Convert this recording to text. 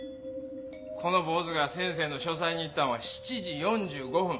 この坊ずが先生の書斎に行ったんは７時４５分。